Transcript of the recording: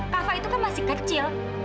kafa itu kan masih kecil